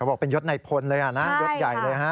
บอกเป็นยศในพลเลยนะยศใหญ่เลยฮะ